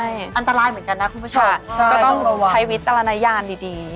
ใช่อันตรายเหมือนกันนะคุณผู้ชมก็ต้องใช้วิจารณญาณดี